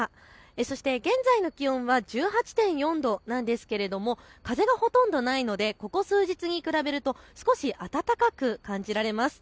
そして現在の気温は１８．４度なんですが風がほとんどないので、ここ数日に比べると少し暖かく感じられます。